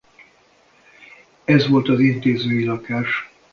Ez volt az intézői lakás.